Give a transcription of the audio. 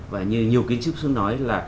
và như nhiều kiến trúc sư nói là